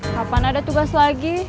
kapan ada tugas lagi